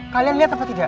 kalian lihat apa tidak